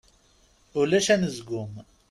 Ulac anezgum.